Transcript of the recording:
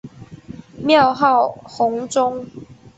庙号弘宗。